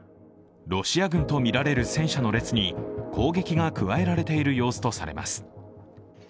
ロシア軍とみられる戦車の列に攻撃が加えられている様子とされます。